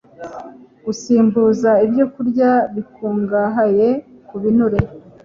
Gusimbuza ibyokurya bikungahaye ku binure